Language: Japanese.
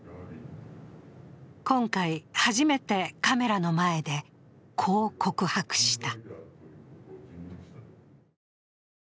今回、初めてカメラの前でこう告白した。